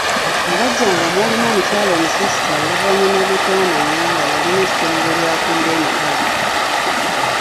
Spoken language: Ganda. Mu bajjanga mwalimu omukyala omusisita oluvannyuma gwe twamanya nga yalina essomero ly'akulira emitala.